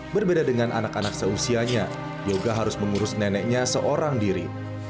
berbeda dengan anak anak seusianya yoga harus mengurus neneknya seorang diri